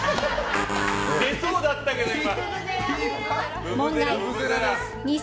出そうだったけど、今。